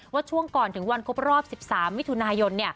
ช่วงก่อนถึงวันครบรอบ๑๓มิถุนายน